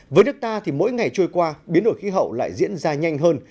với nước ta thì mỗi ngày trôi qua biến đổi khí hậu lại diễn ra nhanh hơn